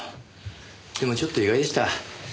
でもちょっと意外でした。